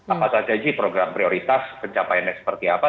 apakah saja program prioritas pencapaiannya seperti apa